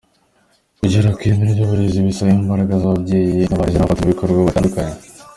Kugera ku ireme ry’uburezi bisaba imbaraga z’ababyeyi, abarezi, n’abafatanyabikorwa batandukanye.